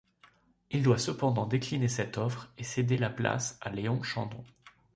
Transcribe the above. Il doit cependant décliner cette offre et céder la place à Léon Chandon.